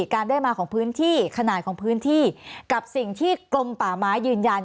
การได้มาของพื้นที่ขนาดของพื้นที่กับสิ่งที่กรมป่าไม้ยืนยัน